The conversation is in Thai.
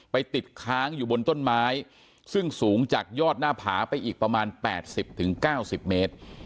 ไปติดค้างอยู่บนต้นไม้ซึ่งสูงจากยอดหน้าผาไปอีกประมาณ๘๐๙๐เมตร